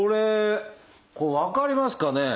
これ分かりますかね？